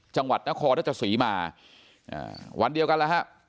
จังหวัดนครรัชศรีมาวันเดียวกันแล้วฮะ